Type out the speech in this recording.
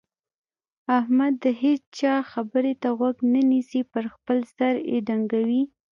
احمد د هيچا خبرې ته غوږ نه نيسي؛ پر خپل سر يې ډنګوي.